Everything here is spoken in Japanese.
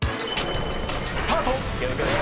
［スタート！］